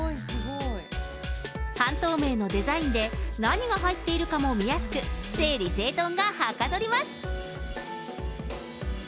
半透明のデザインで、何が入っているかも見やすく、整理整頓がはかどります。